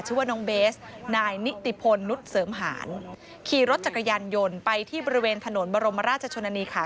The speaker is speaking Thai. ชื่อว่าน้องเบสนายนิติพลนุษย์เสริมหารขี่รถจักรยานยนต์ไปที่บริเวณถนนบรมราชชนนานีค่ะ